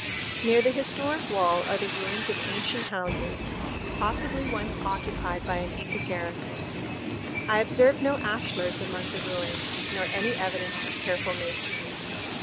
Near the historic wall are the ruins of ancient houses, possibly once occupied by an Inca garrison. I observed no ashlars among the ruins nor any evidence of careful masonry.